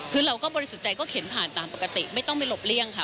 คือเราก็บริสุทธิ์ใจก็เข็นผ่านตามปกติไม่ต้องไปหลบเลี่ยงค่ะ